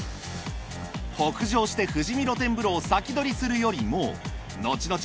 北上して富士見露天風呂を先取りするよりものちのち